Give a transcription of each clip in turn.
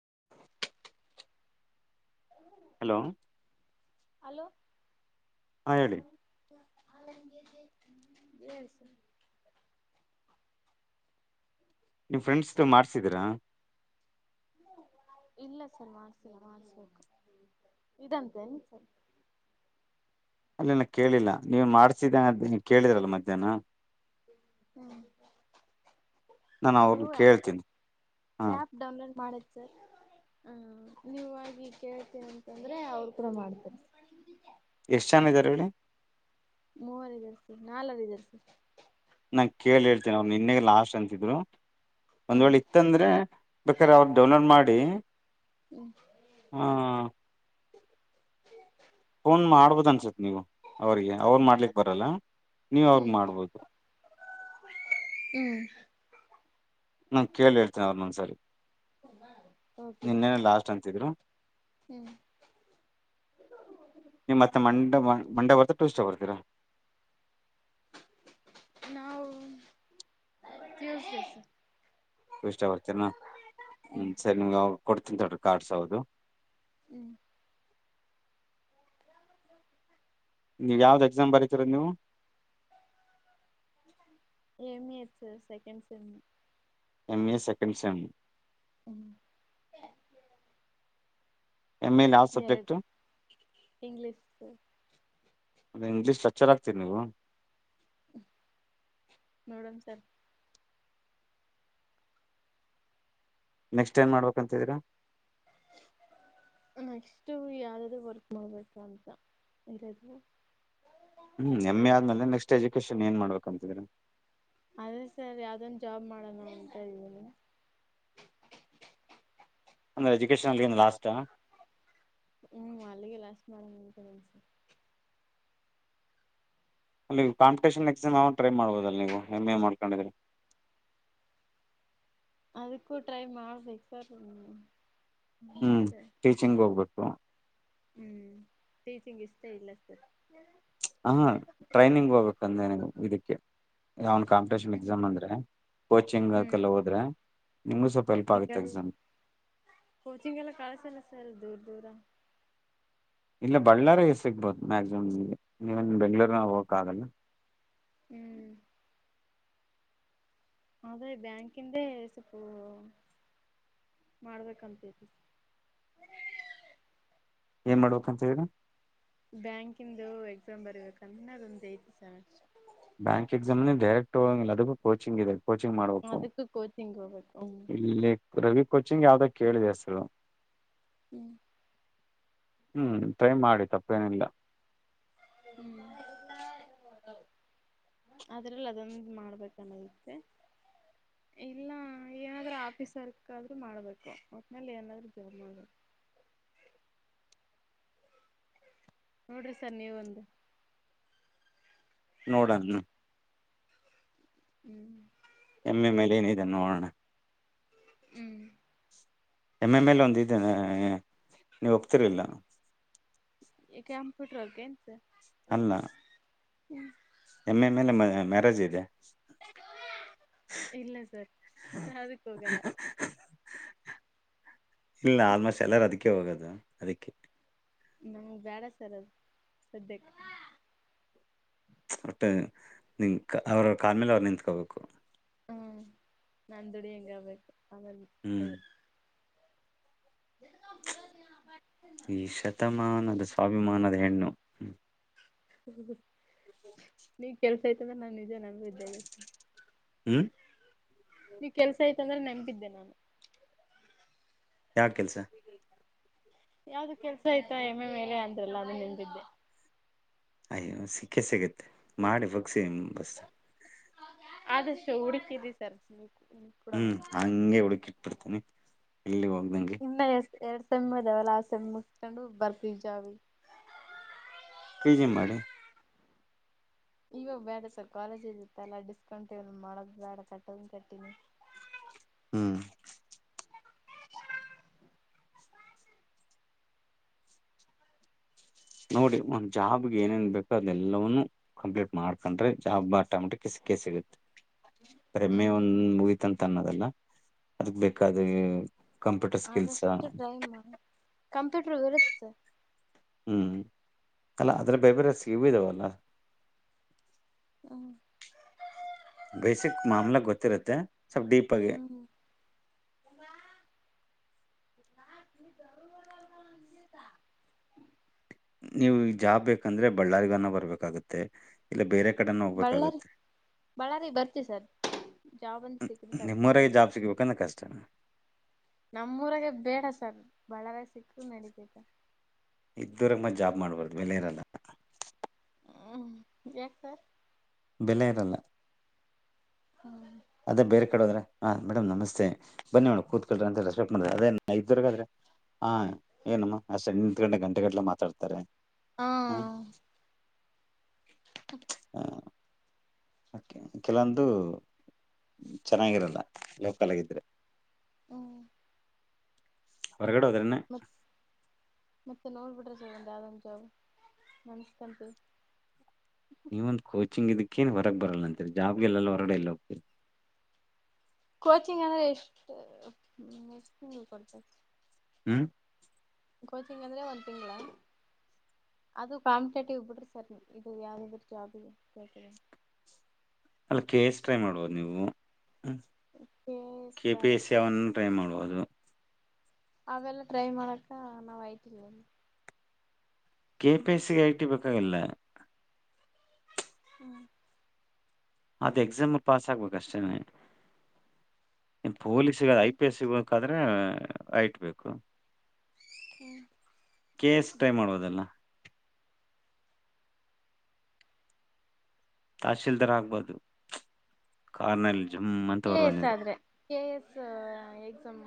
[inaudible] Hello hello ಹಾ ಹೇಳಿ? [unintelligible] ನಿಮ್ ಫ್ರೆಂಡ್ಸದು ಮಾಡಸಿದ್ರಾ? ಇಲ್ಲ ಸರ್ ಮಾಡಸಿಲ್ಲ ಮಾಡಸ್ಬೇಕ ಇದಂತೆನ್ ಸರ್? ಅಲ್ಲಲ್ಲ ಕೇಳಿಲ್ಲ ನೀವ್ ಮಾಡ್ಸಿದ [unintelligible] ಕೇಳಿದರಲ್ಲ ಮಧ್ಯಾಹ್ನ? ಹ್ಮ ನಾನು ಅದು ಅವ್ರನ್ನ ಆಪ್ ಕೇಳ್ತೀನಿ ಹಾ ಆಪ್ ಡೌನ್ಲೋಡ್ ಮಾಡೋದು ಸರ್ ಹ್ಮ ನೀವಾಗಿ ಕೇಳ್ತೀನ ಅಂತಂದ್ರೆ ಅವ್ರ ಕೂಡ ಮಾಡ್ತಾರೆ. ಎಷ್ಟ ಜನ ಇದಾರೆ ಹೇಳಿ? ಮೂವಾರ್ ಇದಾರೆ ಸರ್ ನಾಲರ್ ಇದಾರೆ ಸರ್. ನಾನು ಕೇಳ್ ಹೇಳ್ತೇನಿ ಅವ್ರು ನೆನ್ನೆಗೆ ಲಾಸ್ಟ ಅಂತಿದ್ರು ಹಾ ಒಂದ್ ವೇಳಿ [unintelligible] ಬೇಕಾದ್ರೆ ಅವ್ರು ಡೌನ್ಲೋಡ್ ಮಾಡಿ ಹ್ಮ ಹಾ ಫೋನ್ ಮಾಡ್ಬೋದು ಅನ್ಸತ್ ನೀವು ಅವ್ರಿಗೆ ಅವ್ರು ಮಾಡ್ಲಿಕ್ ಬರಲ್ಲ ನೀವು ಅವ್ರಿಗೆ ಮಾಡ್ಬೋದು. ಹ್ಮ ನಾ ಕೇಳ ಹೇಳ್ತೇನೆ ಅವರನ್ನೊಂದ ಸರಿ ಓಕೆ ಲಾಸ್ಟ್ ಅಂತಿದ್ರು ಹ್ಮ್ ನೀಮ್ಮ್ತ್ತೆ ಮಂಡೆ ಮಂಡ ಬರ್ತ ಟೂರ್್ಟ್ ಬರ್ೀರಾ ನಾವು ್ಯೂಸ್ಸ್ ಇಷ್ಟ ಬರ್ತೀರನಾ ಹಞ ಹ್ಮ್ ಸರಿ ನಿಮ್ಗೆ ಕೊಡ್ತೀನಿ ತಡ್ರಿ ಕಾರ್ಡ್ಸ್ ಹೌದು ಹ್ಮ್ ನೀವು ಯಾವ್ದ ಎಕ್ಸಾಮ್ ಬರೀತಿರದು ನೀವು ಎಮ ಸ ಸೆಕೆ್ ಸಮ ಎಂ ಎ ಸೆಕೆಂಡ್ ಸೆಮರ್ ಹ್ಮ್ ಎಮ ಎ ಲ ಆ ಎರಡು ಸಬ್ಜೆಕ್ಟ್ ಇಂಗ್ಲೀಷ್ ಸರ್ ಇಂಗ್ೀ್ಕ್ಚರ್ ಆಗ್ತೀರಿ ನೀವು ನೋಡೋಣ ಸರ್ ನೆಕ್ಸ್ಟ್ ಏನ್ ಮಾಡ್ಬೇಕ ಅಂತಿದೀ ನೆಕ್ಸ್ಟ್ ಯಾವ್ದಾದ್ ವರ್ಕ್ ಮಾಡ್ಬೇಕು ಅಂತ ಹೇಳರು ಹ್ಮ್ ಎ್ ಎ ಆದ್ಮೇಲೆ ನೆಕ್ಸ್ಟ್ ಎಜುಕೇಶನ್ ಏನ್ ಮಾಡ್ಬೇಕ ಅಂತಿದ್ರಿ ಅದೇ ಸರ್ ಯಾವ್ದನ್ ಜಾಬ್ ಮಾಡೋಣ ಅಂತ ಇದೀಿ ಅಂದ್ರ ಎಜುಕೇಶನ್ ಅಲ್ಲಿನ್ ಲಾಸ್ಟ್ ಹ್ಮ್ ಅಲ್ಲಿಗೆ ಲಾಸ್ಟ್ ಮಾಡ ನಿತನ್ಸ ಅಲ್ಲಿ ಕಂಪಿಟೇನ್ ಎಕ್ಸ್ ಯಾವ ಟ್ರೈ ಮಾಡಬೋುದ ಅ ನೀವು ಎಮ್ ಎ ಮಾಡ್ಕೊಂಡಿದ್ರೆ ಅದಕ್ಕೂ ಟ್ರೈ ಮಾಡ್ಬೇಕು ಸರ್ ಹ್ಮ್ ಟೀಚಿಂಗ್ ಹೋಗ್ಬೇಕು ಹ್ಮ್ ಟೀಚಿಂಗ್ ಇಷ್ಟೇ ಇಲ್ಲ ಸರ್ ಹಾ ಟ್ರೈನಿಂಗ್ ಹೋಗ್ಬೇಕಂದ್ರೆ ನೀವು ಇದಕ್ಕೆ ಯಾವನ್ ಕಾಂಪಿಟೇಷನ್ ಎಕ್ಸಾಮ್ ಅಂದ್ರೆ ಕೋಚಿಂಗ್ಕೆಲ್ಲ ಹ್ಮ್ ಹೋದ್ರೆ ನಿಮಗೂ ಸ್ವಲ್ಪಲ್ಪ್ ಕೋಚಿಂಗ್ ಆಗುತ್ತೆ ಎಲ್ಲ ಎಕ್ಮ್ ಕೋಚಿಂಗ್ ಎಲ್ಲ ಕಳ್ಸಲ್ಲ ಸರ್ ದೂರ ದೂರ ಇಲ್ಲ ಬಳ್ಳಾರಿ ಸಿಗ್ಬಹುದು ಮ್ಯಾಕ್ಸಿಮಮ್ ನಿಮಗೆ ಇವನ್ ಬೆಂಗಳೂರ್ ನ ಹೋಗಕ್ ಆಗಲ್ಲ ಹ್ಮ್ ಆದ್ರೆ ಬ್ಯಾಂಕಿಂದೆ ಸ್ವಲ್ಪ ಮಾಡ್ಬೇಕಂತತಿ ಏನ್ ಮಾಡ್ಬೇಕ ಅಂತ ಹೇಳ್ರಿ ಬ್ಯಾಂಕಿಂದು ಎಕ್ಸಾಮ್ ಬರ್ಬೇಕಂದೊಂದ ಐತಿ ಸೆರ್ ಬ್ಯಾಂಕ್ ಎಕ್ಸಾಮ್ನ ಡರೆಕ್ಟ್ ಹೋಗಂಗ ಅದಕ್ಕ ಕೋಿಂಗ್ ಇದೆ ಕೋಚಿಂಗ್ ಮಾಡ್ಬೇಕು ಅದಕ್ಕೂ ಕೋಚಿಂಗ್ ಹೋಗ್ಬೇಕು ಹ್ಮ್ ಇಲ್ಲಿ ರವಿ ಕೋಚಿಂಗ್ ಯಾವ್ದ ಕೇಳಿದೆ ಹೆಸರು ಹ್ಞೂ ಹ್ಮ್ ಟ್ರೈ ಮಾಡಿ ತಪ್ಪೇನಿಲ್ಲ ಹ್ಮ್ ಅದ್ರಲ್ಲಿ ಅದೊಂದು ಮಾಡ್ಬೇಕನ್ನಯತೆ ಇಲ್ಲ ಏನಾದ್ರೂ ಆಫೀಸ್ ವರ್ಕ್ ಆದ್ರರು ಮಾಡ್ಬೇಕು ಒಟ್್ಮೇಲೆ ಏನಾದ್ರು ಜವಾ ಮಾಡಬೇಕು ನೋಡ್ರಿ ಸರ್ ನೀವ ಒಂದು ನೋಡಣ ಹ್ಮ್ ಎಮ್ಮೆ ಮೇಲೆ ಏನಿದೆ ನೋಡೋಣ ಹ್ಮ್. ಎಮ್ ಎಮ್ ಎಲ್ ಒಂದು ಇ ನೀವು ಹೋಗ್ತೀರಲ್ಲ ಯಾಕೆ ಸರ್ ಕಂಪ್ಯೂಟರ್ ಅಲ್ಲ ಎಮ್ ಮೇಲೆ ಮ ಮ್ಯಾರೇಜ್ ಇದೆ ಇಲ್ಲ ಸರ್ ಅದಕ್ಕ ಹೋಗಲ್ಲ ಇಲ್ಲ ಆಲ್ಮೋಸ್ಟ್ ಎಲ್ಲರೂ ಅದಕ್ಕೆ ಹೋಗೋದು ಅದಕ್ಕೆ ಹ್ಮ್ ಬೇಡ ಸರ್ ಅದು ಸದ್ಯಕ್ಕೆ. ಒಟ್ಟೆ ನಿ ಅವ್ರ ಕಾಲ ಮೇಲೆ ಅವ್ರು ನಿಂತ್ಕೋಬೇಕು ಹ್ಮ್ ನಾನು ದುಡಿಯನ್ ಆಗಬೇಕು ಆಮೇಲೆ ಹ್ಮ್ ಅದು [unintelligible] ಈ ಶತಮಾನ ಅದ ಸ್ವಾಭಿಮಾನ ಹೆಣ್ಣು. ನೀ ಕೆಳ್ ಸೈತ ಅಂದ್ರೆ ನಾನು ನಿಜ ಹ್ಮ್. ನೀವ ಕೆಲಸ ಯ್ತ ಅಂದ್ರೆ ನೆನಪಿದ್ದೆ ನಾನು. ಯಾವ ಕೆಲಸ ಯಾವ್ದು ಕೆಲ್ಸ ಆಯ್ತಾ ಎಮ್ಮೆ ಮೇಲೆ ಅಂದ್ರಲ್ಲ ಅದು ನಂಬಿದ್ದೆ ಅಯ್ಯೋ ಸಿಕ್ಕೇ ಸಿಗುತ್ತೆ ಮಾಡಿ ಮುಗ್ಸಿ [unintelligible] ಆದಷ್ಟು ಹುಡುಕಿದಿ ಸರ್. ಹ್ಮ್ ಕೂಡ ಹಂಗೆ ಹುಡುಕಿ ಇಟ್ ಬಿಿಡ್ತೇನಿ ಎಲ್ಲಿ ಹೋಗ್ದಂಗೆ. ಇ ಎಷ್ಟ ಎರಡ್ ಸೆಮ್ಮಿ ಅದಾವಲ್ಲ ಆ ಸೆಮ್ಮಿ ಮುಗಿಸಿಕೊಂಡು ಜಾಬಿ ಬರ್ತೀವಿ ಪಿಜಿ ಮಾಡಿ ಇವಾಗ ಬೇಡ ಸರ್ ಕಾಲೇಜ ಇ ಇತ್ತಲ್ಲ ಡಿಸ್ಕೌಂಟ್ ಏ ಮಾಡೋದು ಬೇಡ ಕಟ್ಟೋದನ್ ಕಟ್ಟಿನಿ ಹ್ಮ್. ನೋಡಿ ಒಂದ್ ಜಾಬ್ಗೆ ಏನೇನ್ ಬೇಕದೆ ಎಲ್ಲವವನ್ನು ಕಂಪ್ಲೀಟ್ ಮಾಡ್ಕೊಂಡ್ರೆ ಜಾಬ್ ಆಟಮಿಟಕ್ಕೆ ಸಿಕ್ಕ ಸಿಗುತ್ತೆ. ಎಂ ಹ್ಮ್ ಒಂದ್ ಮುಗತಂತ ಅನ್ನೋದಲ್ಲ ಅದಕ್ ಬೇಕಾದ ಕಂಪ್ಯೂಟರ್ ಸ್ಕಿಲ್ಸ್ ಆದಷ್ಟು ಟ್ರೈ ಮಾಡಿ ಕಂಪ್ಯೂಟರ್ ಬರುತ್ತೆ ಸರ್ ಹ್ಞೂ ಅಲ್ಲ ಅದ್ರ ಬೇರೆ ಬೇರೆ ಸಿವ ಇದಾವಲ್ಲ ಹ ಬೇಸಿಕ್ ಮಾಮಲ ಗೊತ್ತಿರುತ್ತೆ ಸ್ವಲ್ಪ ಡೀಪ್ ಆಗಿ. ಅಕ್ಕ ಇಲ್ಲಿ [unintelligible] ನೀವು ಈಗ ಜಾಬ್ ಬೇಕಂದ್ರೆ ಬಳ್ಳಾರಿಗಾನ ಬರ್ಬೇಕಾಗತ್ತೆ ಇಲ್ಲ ಬೇರೆ ಕಡೆನ ಬಳ್ಳಾರಿ ಹೋಗ್ಬೇಕಾಗತ್ತೆ ಬಳ್ಳಾರಿ ಬರ್ತೀವಿ ಸರ್ ಜಾಬ್ ಒಂದ್ ಸಿಕ್ಕ್ರೆ ಸಾಕು ನಿಮ್ಮೂರಿಗೆ ಸದ್ಯಕ್ಕೆ. ಜಾಬ್ ಸಿಗಬೇಕು ಅಂದ್ರೆ ತುಂಬಾ ಕಷ್ಟ ನಮ್ಮೂಊರಾಗ ಬೇಡ ಸರ್ ಬಳ್ಳಾರಿ ಸಿಕ್ಕರು ನಡಿತೈತಿ ಇದು ಊರಾಗ ಮತ್ ಜಾಬ್ ಮಾಡಬಾರದು ಬೆಲೆ ಇರಲ್ಲ ಹ್ಮ್ ಯಾಕ್ ಸರ್ ಬೆಲೆ ಇರಲ್ಲ ಹಾ ಅದೇ ಬೇರೆ ಕಡೆೋದ್ರ ಹಾ ಮೇಡಮ ನಸ್ತೆೇ ಬನ್ನಿ ಮೇ ಕತ್ಕಲ್ರ ಅಂತ ರೆಸ್ಪೆಕ್ಟ್ ಮಾಡ ಅದೇ ನ. ಇದ್ವರ್ಗಾದ್ರೆ ಹಾ ಏನಮ್ಮ ಅಷ್ಟ ನಿಂತ್ ಗಂಟೆ ಗಂಟೆ ಗಟ್ಲೆ ಮಾತಾಡ್ತಾರೆ. ಹಾ ಹ್ಮ. ಕೆಲವೊಂದು ಚೆನ್ನಾಗಿರಲ್ಲ ಲೋಕಲ್ಗಿದ್ರೆ. ಓ. ಹೊರಗಡೆ ಹೋದರನ್ನೆ. ಹ. [inaudible] ಮತ್ತೆ ನೋಡ್ಬಿಟ್ರೆ ಸರ್ ಒಂದು ಯದೊಂದು ಜಾಬ್ ನಮಸ್ತಂತ. [unintelligible] ನೀ ಒಂದು ಕೋಚಿಂಗ್ ಇದಕ್ಕೇನ್ ಹೊರಗ್ ಬರಲ್ಲ ಅಂತತ್ರಿ ಜಾಬ್ಗೆ ಎಲ್ಲ ಹೊರಡೆಲ್ಲೋಗ್ತಿರ. ಕೋಚಿಂಗ್ ಅಂದ್ರೆ ಎಷ್ಟು ಎಷ್ಟು ತಿಂಗಳು ಕೊಡ್ತ. ಹ್ಮ್. ಕೋಚಿಂಗ್ ಅಂದ್ರೆ ಒಂದ್ ತಿಂಗಳ. ಅದು ಕಾಂಪಿಟೇಟಿವ್ ಬಿಡ್ರಿ ಸರ್ ಇದು ಯಾವ್ರ ಜಾಬ್ ಕ. ಅಲ್ಲ ಕೆ ಎಸ್ ಟ್ರೈ ಮಾಡುಬವದು ನೀವು ಹ್ಞ ಕೆ ಕೆ ಪಿ ಬೇಡ ಎಸ್ ಸರ್ ಸಾವನ್. ಟ್ರೈ ಮಾಡುಬೋದು. ಅವೆಲ್ಲ ಟ್ರೈ ಮಾಡಕ ನಾವ್ ಆಯ್ತಿಲ್. ಕೆ ಪಿ ಎಸ್ಸಿಗೆ ಐ ಟಿ ಬೇಕಾಗಿಲ್ಲ. ಹ್ಮ್. ಅದು ಎಕ್ಸಾಮ್ ಪಾಸ್ ಆಗ್ಬೇಕ ಅಷ್ಟೇನೆ ಪೊಲೀಸ್ಗ ಐ ಪಿ ಎಸ್. ಹಾದ್ರೆ ಐಟ್ ಬೇಕ್. ಹ್ಮ್. ಕೆ ಎ ಎಸ್ ಟ್ರೈ ಮಾಡುಬೋದಲ್ಲ. ತಹಶೀಲ್ದಾರ್ ಆಗ್ಬಹದು. ಕೆ ಎಸ್ ನೀವು ಆದ್ರೆ ಕೆ ಎ ಎಸ್ ಎಕ್ಸಾಮ್.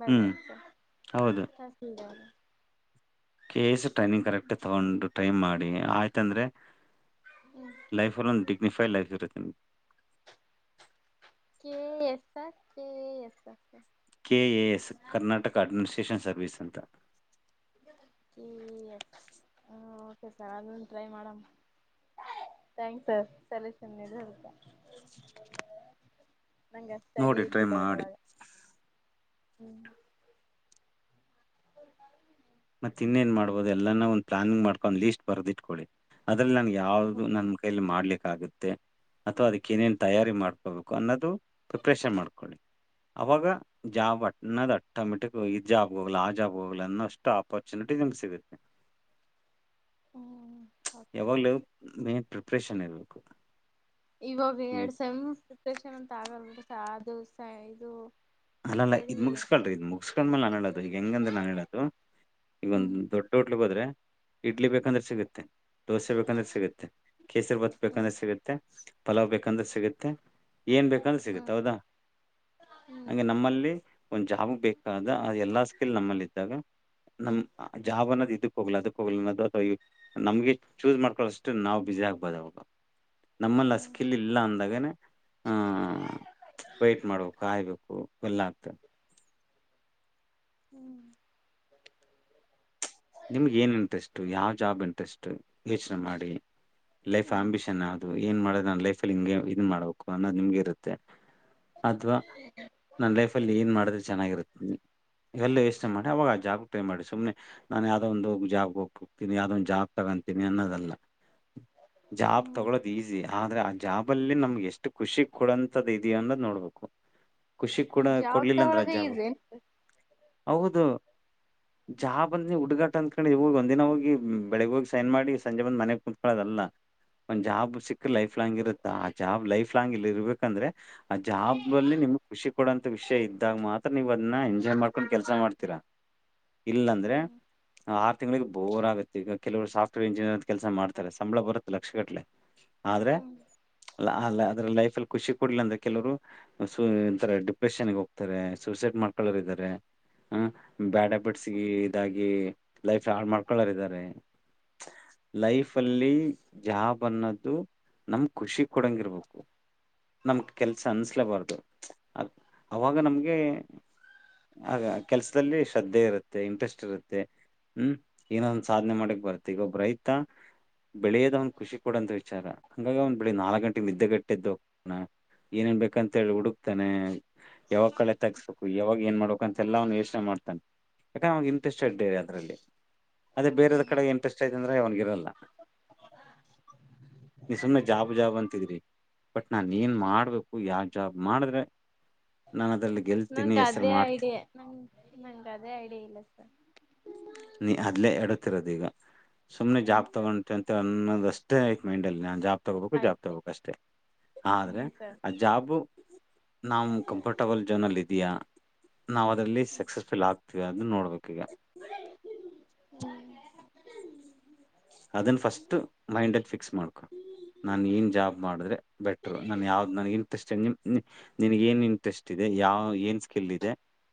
ಬರ್ದ ಹ್ಮ್ [unintelligible] ಹೌದು tehsildar. K S training correct ತಗೊಂಡು ಟ್ರೈ ಮಾಡಿ ಆಯ್ತಂದ್ರೆ. ಹ್ಮ್. ಲೈಫಲ್ಲಿ ಒಂದು ಡಿಗ್ನಿಫೈ ಲೈಫ್ ಇರುತ್ತೆ ನಿಮಗೆ. K S, K A S. K A S Karnataka administration service ಅಂತ. ಕೆ ಎ ಎಸ್ ಹ ಓಕೆ ಸರ್ ಅದೊಂದ್ ಟ್ರೈ ಮಾಡವ. Thanks sir solution ಹೇಳಿರೋದಕ್ಕ್. [inaudible] ನಂಗೆ ಅಷ್ಟ ನೋಡಿ ಐಡಿಯಾ ಟ್ರೈ ಇದ್ದಿಲ್ಲ ಮಾಡಿ ಅದ್ರೊಳಗ ಹ್ಮ್. ಹ. [inaudible] ಮತ್ತ ಇನ್ನೇನ್ ಮಾಡ್ಬಹುದು ಎಲ್ಲಾನು ಒಂದು ಪ್ಲಾನಿಂಗ್ ಮಾಡ್ಕೊಂಡ್ ಲೀಸ್ಟ್ ಬರ್ದಿಟ್ಕೊಳಿ ಅದ್ರಲ್ಲಿ ನ. ಯಾವ್ದು ನನ್ ಕೈಲಿ ಮಾಡ್ಲಿಕ್ಕಾಗುತ್. ಅಥವಾ ಅದಕ್ಕ ಏನೇನ್ ತಯಾರಿ ಮಾಡ್ಕೋಬೇಕು ಅನ್ನೋದು ಪ್ರಿಪ್ರೇಷನ್ ಮಾಡ್ಕೊಳ್ಳಿ. ಅವಾಗ ಜಾಬ್ ಅನ್ನದ್ ಆಟೋಮೆಟಿಕ್ ಈ ಜಾಬ್ ಹೋಗ್ಲ್ಲ ಆ ಜಾಬ್ ಹೋಗಲ ಅನ್ನೋ ಅಷ್ಟು. ಆಪ್ಪಾರ್ಚೆನಿಟಿ ನಿಮ್ ಸಿಗುತ್ತೆ ಹ್ಮ್ ಹೌದು ಯಾವಾಗ್ಲ ಸರ್ ಮಿಪ್. ಪ್ರ್ರೆಷನ್ ಇರ್ಬೇಕು. ಇವಾಗ ಹ್ಮ್ ಎರಡು ಸ ಪ್ರೆಷನ್ [unintelligible] ಅಂತ ಆಗಲ್ ಬಿ ಸ ಅದು ಸ ಇದು. ಅಲ್ಲಲ್ಲ ಅಂತೇಳಿ ಇದ್ ಮುಗಿಸಸ್ಕಳ್ರಿ ಇದ್ ಮುಗಸ್ಕೊಂಡ್ಮೇಲೆ ನಾನನ್ ಹೇಳೋದು ಈಗ ಹೆಂಗಂದ್ರೆ ನಾನನ್ ಹೇಳೋದು ಈಗ ಹ್ಮ್ ಒಂದು ದೊಡ್ಡ. ಹೋಟ್ಲ್ಗ್ ಹೋದ್ರೆ ಇಡ್ಲಿ ಬೇಕಂದ್ರೆ ಹ್ಮ್ ಸಿಗುತ್ತೆ. ದೋಸೆ ಬೇಕಂದ್ರೆ ಸಿಗುತ್ತೆ ಕೇಸರಿ ಭಾತ್ ಹ್ಮ್ ಬೇಕಂದ್ರೆ ಸಿಗುತ್ತೆ ಪಲಾವ್ ಬೇಕಂದ್ರೆ ಸಿಗುತ್ತೆ. ಏನ್ ಬೇಕಂದ್ರೆ ಸಿಗುತ್ತ ಹ್ಮ್ ಹೌದಾ. ಹ್ಮ್ ಹಾಂಗೆ ನಮ್ಮಲ್ಲಿ ಒಂದ್ ಜಾಬ್ ಬೇಕಾದ ಆ ಎಲ್ಲಾ ಸ್ಕಿಲ್ ನಮ್ಮಲ್ಲಿ ಇತ್ತು. [unintelligible] ನಮ ಜಾಬನದ ಇದ. ಹೋಗಲದು ಹೋಗ್ಲದು [unintelligible] ನಮ್ಗೆ ಚೂಸ್ ಮಾಡ್ಕಳಷ್ಟು ನಾವು ಬಿಸಿ ಆಗ್ಬಹದು ಅವಾಗ. ನಮ್ಮಲ್ಲಿ ಆ ಹ್ಮ್ ಸ್ಕಿಲ್ ಇಲ್ಲ ಅಂದಾಗನೇ ಹ ವೆಟ್ ಮಾಡ್ಬೇಕು ಹಾಯ್ಬೇಕು. ಓ ಪುಲಾತ್. ಹ್ಮ್ ನಿಮಗೆ ಏನ್ ಇಂಟ್ರೆಸ್ಟ್ ಯಾವ ಜಾಬ್ ಇಂಟ್ರೆಸ್ಟ್ ಯೋಚನೆ ಮಾಡಿ ಲೈಫ್ ಹ್ಮ್ ಆಂಬಿಷನ್ ಅದು. ಏನ್ ಮಾಡದು ನನ್ ಲೈಫಲ್ಲಿ ಹಿಂಗೆ ಇದ್ ಮಾಡ್ಬೇಕು ಅನ್ನೋದ ನಿಮಗೆ ಇರ್ತ. ಮತ್ತೆ ಅದು ನನ್ ಲೈಫ್ ಅಲ್ಲಿ ಏನ್ ಮಾಡದ್ರೆ ಚೆನ್ನಾಗಿರು ಎಲ್ಲ ಯೋಚನೆ ಮಾಡಿ ಅವಾಗ ಜಾಮ್ ಟೈ ಮಾಡಿ ಸುಮ್ಮನೆ. ನಾನ ಯಾವ್ದೊ ಒಂದು ಜಾಬ್ಗ್ ಹೋಗ್ತನಿ ಅದೊಂದು ಜಾಬ್ ತಗೊಂತೀನಿ ಅನ್ನೋದಲ್ಲ. ಜಾಬ್ ಹ್ಮ್ ತಗೊಳೋದು ಈಜಿ. ಆದ್ರೆ ಆ ಜಾಬ್ ಲ್ಲಿ ನಮ್ಗೆ ಎಷ್ಟು ಖುಷಿ ಕೊಡಂತದ್ದ ಇದೆಯ ಅನ್ನೋದ ನೋಡ್ಬೇಕು. ಖುಷಿ ಕೂಡ ಜಾಬ್ ಕೊಡ್ಲಿಲ್ಲ ಅಂದ್ರ ಆ ತಗೊಳೋದೇ ಜಾಬ್ ಈಸೇನ್ ಹೌದು ಜಾಬ್. ಬಂದ್ ಹುಡುಗಾಟ ಅನ್ಕಂಡಿ ಹೋಗಿ ಒಂದ ದಿನ ಹೋಗಿ ಬೆಳಗ್ ಹೋಗಿ ಸೈನ್ ಮಾಡಿ ಸಂಜೆ ಬಂದ ಮನೆಗ್ ಕುಂತ್ಕೊಳದಲ್ಲ. ಒಂದ್ ಜಾಬ್ ಸಿಕ್ಕ ಲೈಫ್ ಲಾಂಗ್ ಇರುತ್ತ ಆ ಜಾಬ್ ಲೈಫ್ ಲಾಂಗ್ ಇಲ್ಲಿ ಇರ್ಬೇಕಂದ್ರೆ. ಆ ಜಾಬ್ ಅಲ್ಲಿ ನಿಮ್ಗ ಖುಷಿ ಕೊಡುವಂತ ವಿಷಯ ಇದ್ದಾಗ ಮಾತ್ರ ನೀವ್ ಅದನ್ನ ಎಂಜಾಯ್ ಮಾಡ್ಕೊಂಡ್ ಕೆಲ್ಸ ಮಾಡ್ತೀರಾ. ಇಲ್ಲಂದ್ರೆ. ಹ್ಮ್ ಆರು ತಿಂಗಳಿಗೆ ಬೋರ್ ಆಗುತ್ತ ಈಗ ಕೆಲವರು ಸಾಫ್ಟವೇರ್ ಇಂಜಿನಿಯರ್ ಕೆಲಸ ಮಾಡ್ತಾರೆ ಸಂಬಳ ಬರುತ್ತೆ ಲಕ್ಷ ಕಟ್ಟಲೆ. ಆದ್ರೆ ಹ್ಮ್ ಅ ಅದ್ರ ಲೈಫಲ್ಲಿ ಖುಷಿ ಕೊಡ್ಲಿಲ್ಲ ಅಂದ್ರೆ ಕೆಲವರು. [unintelligible] ಡಿಪ್ರೆಷನ್ಗೆ ಹೋಗ್ತಾರೆ ಸೂಸೈಡ್ ಮಾಡ್ಕಳೋರ್ ಇದಾರೆ ಹ. ಬ್ಯಾಡ್ ಹ್ಯಾಬಿಟ್ಸ್ ಗೆ ಇದಾಗಿ ಲೈಫ್ ನ ಹಾಳ್ ಮಾಡ್ಕಳರಿದ್ದಾರೆ. ಲೈಫ್ ಅಲ್ಲಿ ಜಾಬ್ ಅನ್ನೋದು ನಮ್ ಖುಷಿ ಕೊಡಂಗಿರ್ಬೇಕು. ನಮ್ಗ ಕೆಲಸ ಅನ್ನಿಸಲೇಬಾರ್ದು ಅವಾಗ ನಮಗೆ. ಆಗ ಕೆಲ್ಸದಲ್ಲಿ ಶ್ರದ್ಧೆ ಇರುತ್ತೆ ಇಂಟ್ರೆಸ್ಟ್. ಸ್ಟ್ ಇರುತ್ತೆ ಹ್ಮ್ ಏನೊಂದು ಸಾಧನೆ ಮಾಡಕ್ ಬರುತ್ತೆ ಈಗ ಒಬ್ ರೈತ. ಬೆಳೆಯೋದ ಅವ್ನ ಖುಷಿ ಕೊಡಂತ ವಿಚಾರ ಹಂಗಾಗಿ ಅವ್ ಬೆಳಿಗ ನಾಲ್ಕ ಗಂಟೆಗೆ ನಿದ್ದೆಗೆಟ್ಟ ಎದ್ದು ಹೋಗತಾನೆ. ಏನೇನ ಬೇಕಂತ ಹೇಳಿ ಹುಡುಕ್ತನೆ. ಯಾವಾಗ ಕಳೆ ತಗಸ್ಬೇಕು ಯಾವಾಗ ಏನ್ ಮಾಡ್ಬೇಕು ಅಂತೆ ಎಲ್ಲ ವನ್ನು ಯೋಚನೆ ಮಾಡ್ತಾನೆ ಯಾಕ [unintelligible] ಇಂಟ್ರೆಸ್ಟಂಡ್ ಇದೇ ಅದ್ರಲ್ಲಿ ಅದೇ ಬೇರೆೆಯದ್ರ ಕಡೆಗೆ ಇಂಟ್ರೆಸ್ಟ್ ಐತ ಅಂದ್ರೆ ಅವನಗ ಇರಲ್ಲ. ನೀ ಸುಮ್ನೆ ಜಾಬ್ ಜಾಬ್ ಅಂತಿದ್ರಿ. ಬಟ್ ನಾನು ಏನ್ ಮಾಡ್ಬೇಕು ಯಾ ಜಾಬ್ ಮಾಡಿದ್ರೆ ನಾನು ಅದ್ರಲ್ಲಿ ಗೆಲ್ತೀನಿ ಹೆಸರು ಮಾಡ್ತಿ ನಂಗ ನಂಗ ಅದೇ ಐಡಿಯಾ ಇಲ್ಲ ಸರ್. ನೀ ಅದಲೇ ಎಡ್ವತಿರೋದ ಈಗ ಸುಮ್ನೆ ಹ್ಞೂ ಜಾಬ್ ಸರ್ ತಗೊಂತಿ ಅ [unintelligible] ಅನ್ನೋದಷ್ಟೇ [unintelligible] ನಾನ್ ಜಾಬ್. ತಗೋಬೇಕು ಜಾಬ್ ಆಯ್ತೆ ತಗೋಬೇಕು ಅಷ್ಟೆ ಆದ್ರೆ ಹ್ಞೂ ಸರ್ ಆ ಜಾಬು. ನಾವು ಕಂಫರ್ಟಬಲ್ ಝೋನಲ್ಲಿ ಇದ್ದಿಯಾ. ನಾವು ಅದರಲ್ಲಿ ಸೆಕ್ಸಸ್ಫುಲ್ ಆಗ್ತಿವ ಅದನ್ನ ನೋಡ್ಬೇಕು ಈಗ. [unintelligible] ಅದನ್ ಫಸ್ಟ್ ಮೈಂಡ್ ಅಲ್ಲಿ ಫಿಕ್ಸ್ ಮಾಡ್ಕೊ. ನಾನ ಏನ್ ಜಾಬ್ ಮಾಡಿದ್ರೆ ಬೆಟರು ನನ್ ಯಾವ್ದ್ ನನ್ಗಿನ [unintelligible] ನಿಮ್ ನಿನ್ಗೆ ಏನ್ ಇಂಟ್ರೆಸ್ಟ್ ಇದೆ ಯಾವ ಏನ್ ಸ್ಕಿಲ್ ಇದೆ.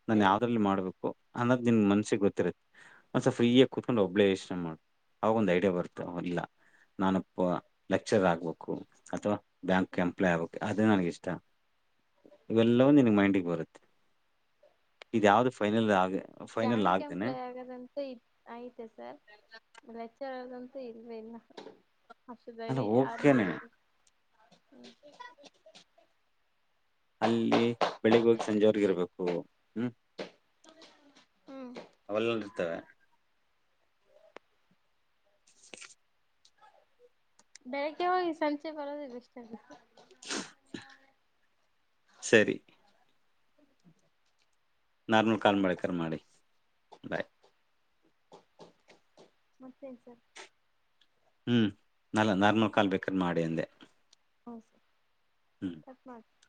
ನಾನ್ ಯಾವ್ದ್ರಲ್ಲಿ ಮಾಡ್ಬೇಕು ಅನ್ನದ್ ನಿನ್ ಮನ್ಸಿಗೆ ಗೊತ್ತಿರತ್ತೆ. ಒಂದ್ಸಪ್ ಫ್ರೀ ಯಾಗಿ ಕುತ್ಕೊಂಡು ಒಬ್ಬಳೆ ಯೋಚನೆ ಮಾಡ್ ಅವಾಗ ಒಂದು ಐಡಿ ಡಿಯಾ ಬರ್ತಾವ ಇಲ್ಲ ನಾನಪ್ಪ ಲೆಕ್ಚರ್ ಆಗ್ಬೇಕು ಅಥವಾ. ಬ್ಯಾಂಕ್ ಎಂಪ್ಲಾಯ್ ಆಗ್ಬೇಕ ಅದೇ ನನ್ಗ ಇಷ್ಟ ಇವೆಲ್ಲವೂ ನಿನಗ ಮೈಂಡಿಗೆ ಬರುತ್ತೆ. ಯಾವ್ದ್ ಫೈನಲ್ ಆಗ. ಫೈನಲ್ ಗ್ಯಾಂಗ್ಕ್ ಆಗ್ದೇನೆ ಎಂಪ್ಲೈ ಆಗದಂತ ಇ ಆಯ್ತ ಸರ್ ಲೆಚ್ಚರ್ ಆದಂತೂ ಇಲ್ವೇ ಇಲ್ಲ ಅಲ್ಲ ಹಸಿದರಿೀ ಅಲಿ ಓಕೆನೆ ಅಲ್ಲಿ ಬೆಳಿಗ್ ಹೋಗಿ ಸಂಜೆವರ್ಗ ಇರ್ಬೇಕು ಹ್ಮ್ ಹ್ಮ್ ಅವಲ್ಲಲ್ಲಿ ಇರ್ತವೆ ಬೆಳಗ್ಗೆ ಹೋಗಿ ಸಂಚೆ ಬರೋದು ಎಷ್ಟಲ್ಲ ಸರಿ ನಾರ್ಮಲ್ ಕಾಲ್ ಮಾಡಕರ್ ಮಾಡಿ ಬಾಯ್ ಮತ್ತೆ ಸರ್ ಹ್ಮ್ ನಲ್ಲ ನಾರ್ಮಲ್ ಕಾಲ್ ಬೇಕಾದ್ರೆ ಮಾಡಿ ಅಂದೆ ಹೌ ಸರ್ ಹ್ಞೂ [inaudible] ಚತ್ ಮಾಡ [inaudible]